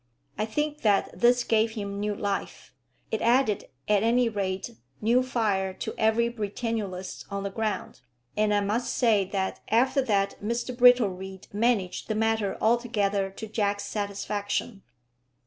I think that this gave him new life. It added, at any rate, new fire to every Britannulist on the ground, and I must say that after that Mr Brittlereed managed the matter altogether to Jack's satisfaction.